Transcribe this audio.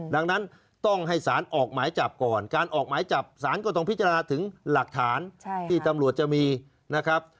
ดังนั้นต้องให้สารออกหมายจับก่อนการออกหมายจับสารก็ต้องพิจารณาถึงหลักฐานที่ตำรวจจะมีนะครับ